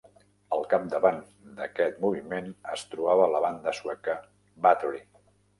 Al capdavant d'aquest moviment es trobava la banda sueca Bathory.